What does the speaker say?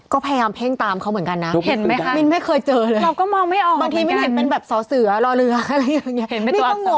ก็พยายามเพ่งตามเขาเหมือนกันนะเห็นมั้ยคะมินไม่เคยเจอเลยบางทีมินเห็นเป็นแบบสอเสือรอเรืออะไรอย่างเงี้ย